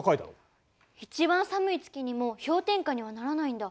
一番寒い月にも氷点下にはならないんだ。